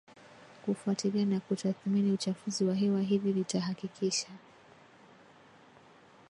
kufuatilia na kutathmini uchafuzi wa hewa Hili litahakikisha